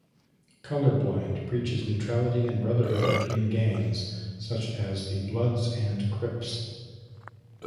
"Color Blind" preaches neutrality and brotherhood between gangs, such as the Bloods and Crips.